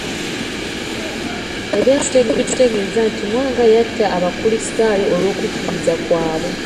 Ebyafaayo bitutegeeza nti Mwanga yatta Abakristaayo olw'okukkiriza kwabwe.